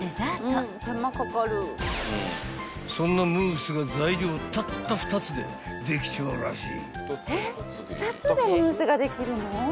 ［そんなムースが材料たった２つでできちまうらしい］